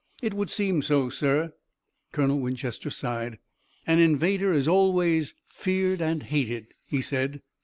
"It would seem so, sir." Colonel Winchester sighed. "An invader is always feared and hated," he said.